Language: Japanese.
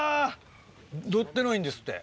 載ってないんですって。